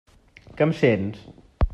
Que em sents?